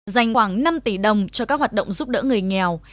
dành khoảng năm tỷ đồng cho các hoạt động giúp đỡ người nghèo